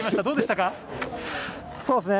どうでしたか？